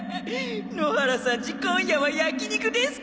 野原さんち今夜は焼き肉ですか？